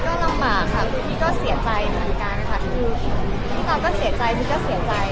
ก็ลำบากค่ะที่ก็เสียใจเหมือนกันค่ะที่เราก็เสียใจที่ก็เสียใจ